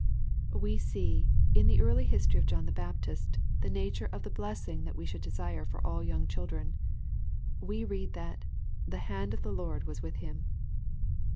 We see in the early history of John Baptist the nature of the blessing that we should desire for all young children. We read that " the hand of the Lord was with him."